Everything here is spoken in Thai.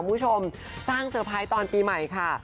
มุโชมสร้างเซอร์ไพร์สตอนปีใหม่ค่ะ